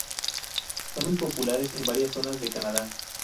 Son muy populares en varias zonas de Canadá.